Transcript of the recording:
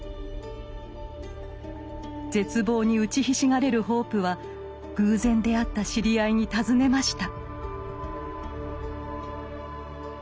絶望に打ちひしがれるホープは偶然出会った知り合いに尋ねました。